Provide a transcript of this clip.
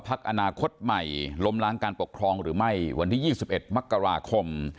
อนาคตใหม่ล้มล้างการปกครองหรือไม่วันที่๒๑มกราคม